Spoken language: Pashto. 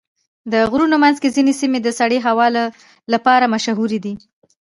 د غرونو منځ کې ځینې سیمې د سړې هوا لپاره مشهوره دي.